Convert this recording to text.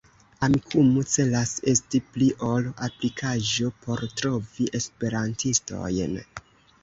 Amikumu celas esti pli ol aplikaĵo por trovi Esperantistojn.